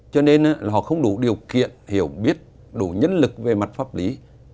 cho nên họ không đủ điều kiện hiểu biết đủ nhân lực về mặt pháp lý